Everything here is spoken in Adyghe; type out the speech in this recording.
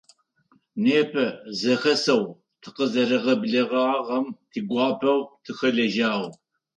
Непэ зэхэсэу тыкъызэрагъэблэгъагъэм тигуапэу тыхэлэжьагъ.